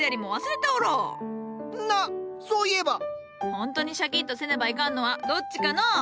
ほんとにシャキッとせねばいかんのはどっちかのう？